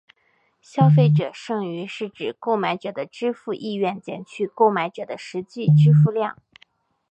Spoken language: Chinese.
消费者剩余是指购买者的支付意愿减去购买者的实际支付量。